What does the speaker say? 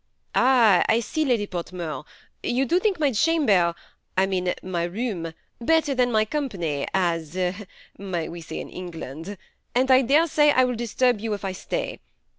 '^ Ah ! I see, Lady Portmore, yon do think my cham her, I mean my room, better than my company, as we say in England ; and I dare say I will disturb you if I stay.